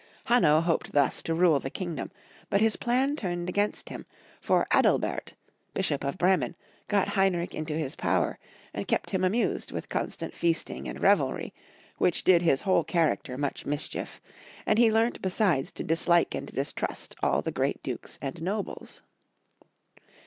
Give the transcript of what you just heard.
Hanno hoped thus to rule the kingdom, but his 108 Young Folki^ HUtory of Q ermany, plan turned against him, for Adalbert, Bishop of Bremen, got Heinrich into his power, and kept him amused with constant feasting and revelry, which did his whole character much mischief; and he learnt besides to dislike and distrust aU the great dukes and nobles.